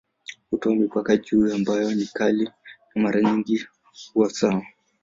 Hutoa mipaka ya juu ambayo ni kali na mara nyingi huwa sawa.